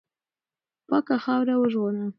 پاکه خاوره وژغوره.